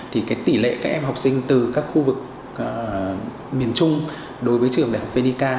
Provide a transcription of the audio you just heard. thì tỷ lệ các em học sinh từ các khu vực miền trung đối với trường đại học phenica